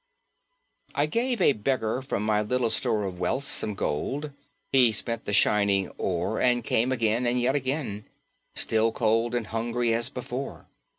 I gave a beggar from my little store of wealth some gold; He spent the shining ore, and came again and yet again, Still cold and hungry, as before.